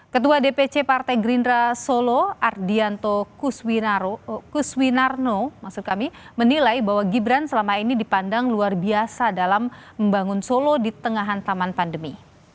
ketua dpc partai gerindra solo ardianto kuswinarno maksud kami menilai bahwa gibran selama ini dipandang luar biasa dalam membangun solo di tengah hantaman pandemi